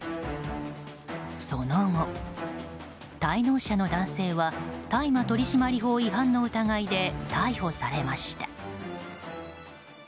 その後、滞納者の男性は大麻取締法違反の疑いで逮捕されました。